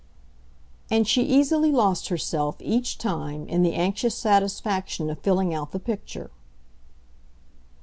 And she easily lost herself, each time, in the anxious satisfaction of filling out the picture.